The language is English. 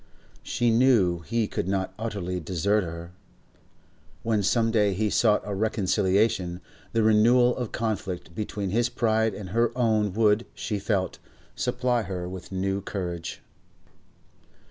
She knew he could not utterly desert her; when some day he sought a reconciliation, the renewal of conflict between his pride and her own would, she felt, supply her with new courage.